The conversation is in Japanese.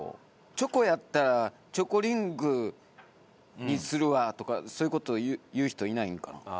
「チョコやったらチョコリングにするわ」とかそういう事言う人いないんかな？